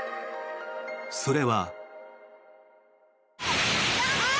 それは。